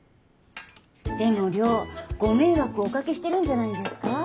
でも涼ご迷惑をお掛けしてるんじゃないんですか？